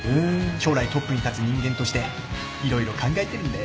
将来トップに立つ人間として色々考えてるんだよ。